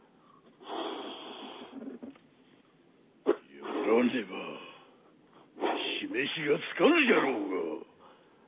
やらねば示しがつかぬじゃろうが。